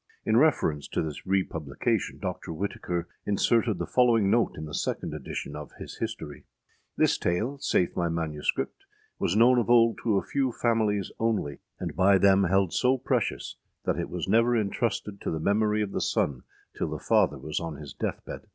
In reference to this republication, Dr. Whitaker inserted the following note in the second edition of his History:â This tale, saith my MS., was known of old to a few families only, and by them held so precious, that it was never intrusted to the memory of the son till the father was on his death bed.